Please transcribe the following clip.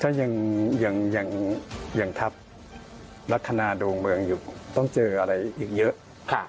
ถ้ายังอย่างอย่างอย่างทัพลักษณะโดงเมืองอยู่ต้องเจออะไรอีกเยอะค่ะ